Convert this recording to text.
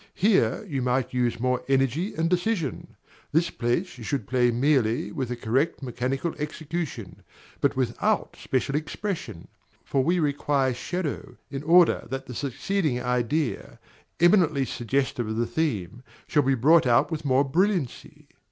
Here you might use more energy and decision. This place you should play merely with a correct mechanical execution, but without special expression; for we require shadow, in order that the succeeding idea, eminently suggestive of the theme, shall be brought out with more brilliancy.